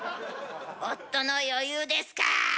夫の余裕ですか。